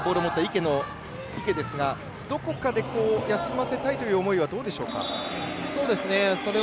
池をどこかで休ませたいという思いはどうでしょうか。